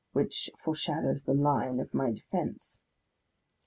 (Which foreshadows the line of my defence.)